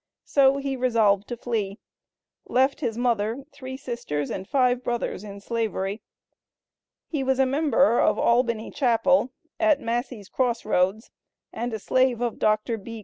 So he resolved to flee. Left his mother, three sisters and five brothers in slavery. He was a member of "Albany Chapel," at Massey's Cross Roads, and a slave of Dr. B.